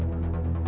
aku mau ke rumah